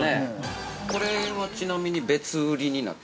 ◆これは、ちなみに別売りになって。